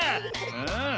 うん。